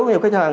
nhiều khách hàng